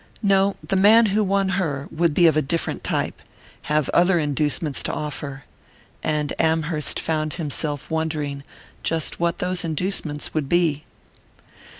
No, the man who won her would be of a different type, have other inducements to offer...and Amherst found himself wondering just what those inducements would be.